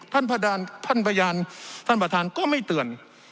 ท่านประทานก็ไม่เตือน